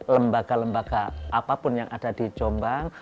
lembaga lembaga apapun yang ada di jombang